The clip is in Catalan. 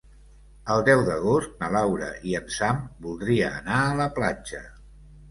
El deu d'agost na Laura i en Sam voldria anar a la platja.